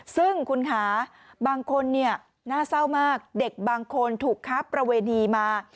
ซึ่งคุณค่ะบางคนเนี่ยน่าเศร้ามากเด็กบางคนถูกค้าประเวณีมา